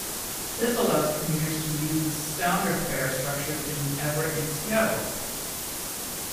This allows commuters to use the Sounder fare structure between Everett and Seattle.